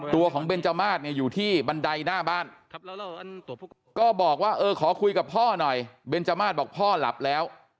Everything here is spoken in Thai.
ตัวของเบนจมาสเนี่ยอยู่ที่บันไดหน้าบ้านก็บอกว่าเออขอคุยกับพ่อหน่อยเบนจมาสบอกพ่อหลับแล้ว